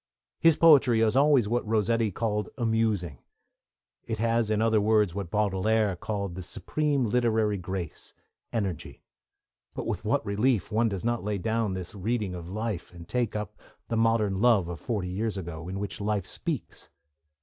His poetry is always what Rossetti called 'amusing'; it has, in other words, what Baudelaire called 'the supreme literary grace, energy'; but with what relief does one not lay down this Reading of Life and take up the Modern Love of forty years ago, in which life speaks!